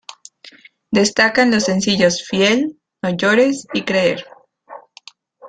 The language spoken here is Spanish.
Destacan los sencillos "Fiel", "No llores" y "Creer".